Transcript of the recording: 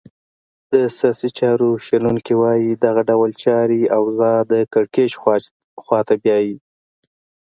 د سیاسي چارو شنونکي وایې دغه ډول چاري اوضاع د کرکېچ خواته بیایې.